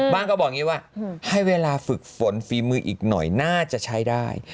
ก็บอกอย่างนี้ว่าให้เวลาฝึกฝนฝีมืออีกหน่อยน่าจะใช้ได้